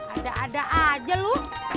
ada ada aja lu